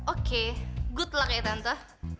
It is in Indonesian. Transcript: oke good luck ya tanto